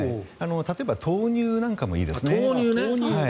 例えば豆乳なんかもいいですね。